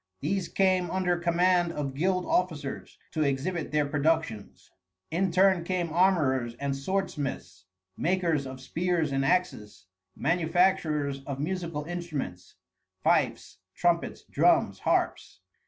These came under command of guild officers, to exhibit their productions. In turn came armorers and swordsmiths, makers of spears and axes, manufacturers of musical instruments, fifes, trumpets, drums, harps.